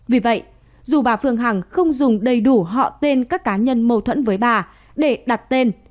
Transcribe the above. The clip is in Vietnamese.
vì vậy dù bà phương hằng không dùng đầy đủ họ tên các cá nhân mâu thuẫn với bà để đặt tên